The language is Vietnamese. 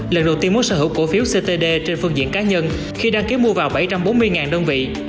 lần đầu tiên muốn sở hữu cổ phiếu ctd trên phương diện cá nhân khi đăng ký mua vào bảy trăm bốn mươi đơn vị